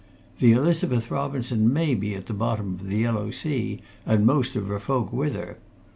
The Elizabeth Robinson may be at the bottom of the Yellow Sea, and most of her folk with her.